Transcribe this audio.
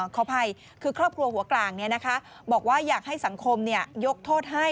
ขออภัยคือครอบครัวหัวกลางบอกว่าอยากให้สังคมยกโทษให้